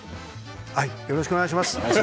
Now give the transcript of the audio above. よろしくお願いします。